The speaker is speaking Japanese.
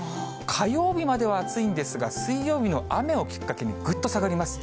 火曜日までは暑いんですが、水曜日の雨をきっかけに、ぐっと下がります。